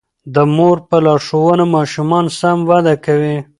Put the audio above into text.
د مور په لارښوونه ماشومان سم وده کوي.